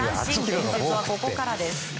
伝説はここからです。